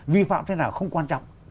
vi phạm thế nào không quan trọng